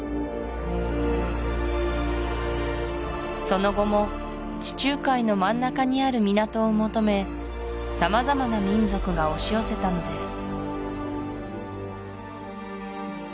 その後も地中海の真ん中にある港を求め様々な民族が押し寄せたのです